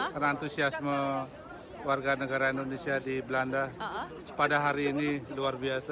karena antusiasme warga negara indonesia di belanda pada hari ini luar biasa